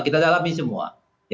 kita dalami semua